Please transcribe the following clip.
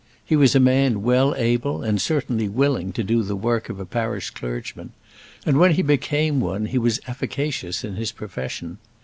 He was a man well able, and certainly willing, to do the work of a parish clergyman; and when he became one, he was efficacious in his profession.